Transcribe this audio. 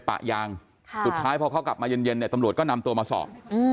ปะยางสุดท้ายพอเขากลับมาเย็นเนี่ยตำรวจก็นำตัวมาสอบ